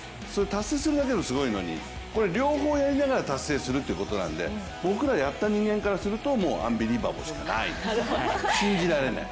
達成するだけでもすごいのに両方をやりながら達成するということなので僕らやった人間からするとアンビリーバブルしかない、信じられない。